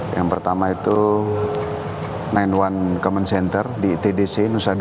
yang pertama itu sembilan satu komen center di itdc